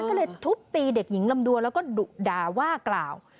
ก็เลยทุบตีเด็กหญิงลำดวนแล้วก็ดุด่าว่ากล่าว